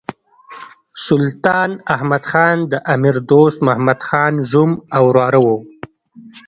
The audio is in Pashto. سلطان احمد خان د امیر دوست محمد خان زوم او وراره وو.